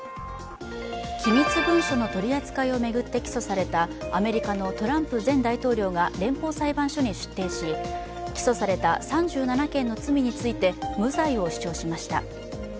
機密文書の取り扱いを巡って起訴されたアメリカのトランプ前大統領が連邦裁判所に出廷し起訴された３７件の罪について、無罪を主張しました。